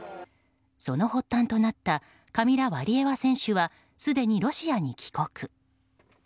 その発端となったカミラ・ワリエワ選手はすでにロシアに帰国。